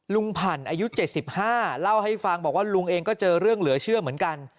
ผ่านอายุ๗๕เล่าให้ฟังบอกว่าลุงเองก็เจอเรื่องเหลือเชื่อเหมือนกัน